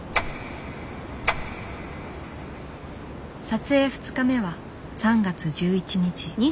撮影２日目は３月１１日。